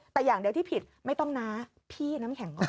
แต่อย่างเดียวที่ผิดไม่ต้องน้าพี่น้ำแข็ง